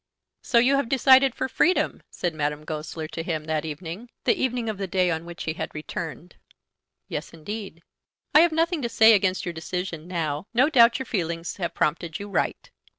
"So you have decided for freedom?" said Madame Goesler to him that evening, the evening of the day on which he had returned. "Yes, indeed." "I have nothing to say against your decision now. No doubt your feelings have prompted you right."